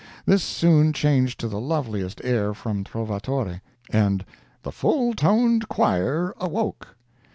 This soon changed to the loveliest air from "Trovatore," and "the full toned choir awoke."